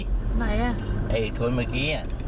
ไหนอะเอ่ยคนเมื่อกี้อะ